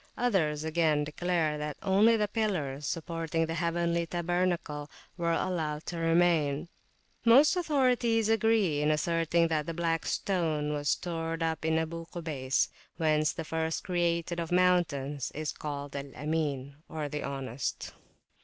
Others, again, declare that only the pillars supporting the heavenly tabernacle were allowed to remain. Most authorities agree in asserting that the Black Stone was stored up in Abu Kubays, whence that first created of mountains is called Al Amin, the Honest.